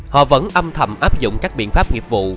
họ vẫn âm thầm áp dụng các biện pháp nghiệp vụ